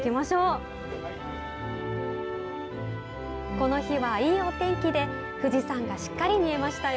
この日は、いいお天気で富士山がしっかり見えましたよ。